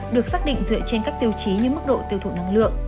được xác định dựa trên các tiêu chí như mức độ tiêu thụ năng lượng